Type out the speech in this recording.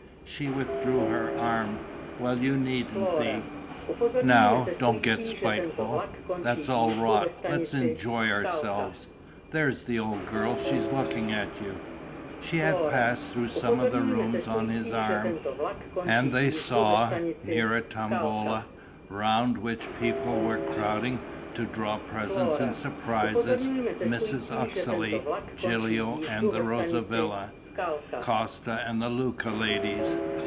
She withdrew her arm: "Well, you needn't be." "Now don't get spiteful. That's all rot: let's enjoy ourselves. There is the old girl: she's looking at you." She had passed through some of the rooms on his arm; and they saw, near a tombola, round which people were crowding to draw presents and surprises, Mrs. Uxeley, Gilio and the Rosavilla, Costi and Luca ladies.